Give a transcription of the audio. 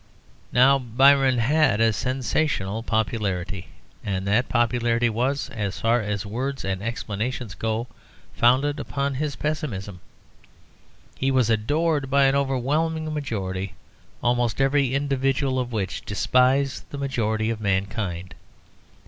Now Byron had a sensational popularity, and that popularity was, as far as words and explanations go, founded upon his pessimism. He was adored by an overwhelming majority, almost every individual of which despised the majority of mankind.